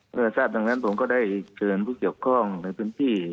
เมื่อทราบดังนั้นผมก็ได้เชิญผู้เกี่ยวข้องในพื้นที่